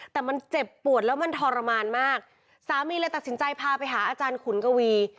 แต่มันเจ็บปวดแล้วมันทรมานมากสามีเลยตัดสินใจพาไปหาอาจารย์ขุนกวี